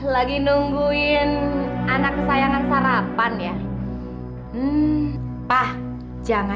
dari rumah ini susah banget sih ini